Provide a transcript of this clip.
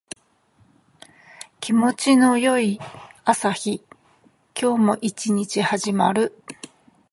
気持ちの良い朝日。今日も一日始まる。